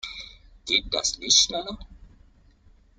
Geht das nicht schneller?